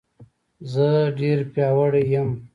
زه ډېر پیاوړی یم